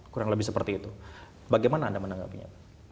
kurang lebih seperti itu bagaimana anda menanggapinya